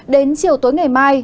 đến chiều tối ngày mai